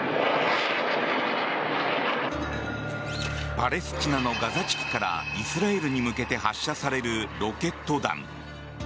パレスチナのガザ地区からイスラエルに向けて発射されるロケット弾。